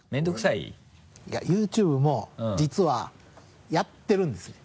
いやＹｏｕＴｕｂｅも実はやってるんですね。